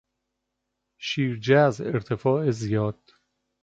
شیرجه از ارتفاع زیاد